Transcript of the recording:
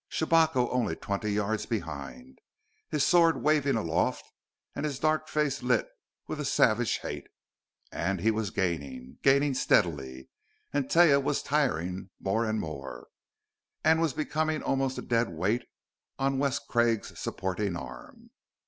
Shabako only twenty yards behind, his sword waving aloft and his dark face lit with a savage hate. And he was gaining gaining steadily; and Taia was tiring more and more, and was becoming almost a dead weight on Wes Craig's supporting arm....